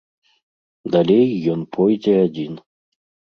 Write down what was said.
Далей ён пойдзе адзін.